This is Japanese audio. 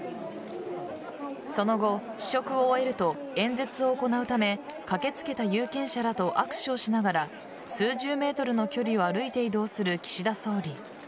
その後、試食を終えると演説を行うため駆けつけた有権者らと握手をしながら数十ｍの距離を歩いて移動する岸田総理。